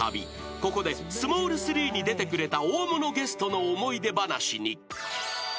ここで『スモール３！』に出てくれた大物ゲストの思い出話に］